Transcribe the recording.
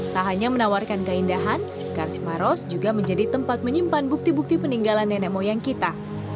tak hanya menawarkan keindahan kars maros juga menjadi tempat menyimpan bukti bukti peninggalan nenek moyang kita